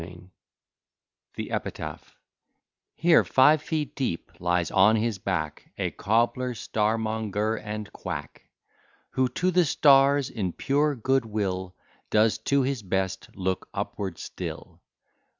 ] THE EPITAPH Here, five feet deep, lies on his back A cobbler, starmonger, and quack; Who to the stars, in pure good will, Does to his best look upward still.